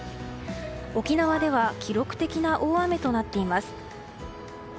沖縄では記録的な大雨となっています。